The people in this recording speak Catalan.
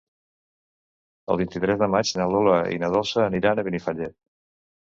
El vint-i-tres de maig na Lola i na Dolça aniran a Benifallet.